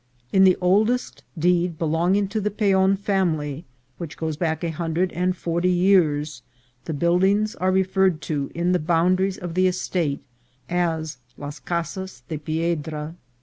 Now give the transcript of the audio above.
In the oldest deed belonging to the Peon family, which goes back a hundred and forty years, the buildings are referred to, in the boundaries of the estate, as Las Casas de Piedra.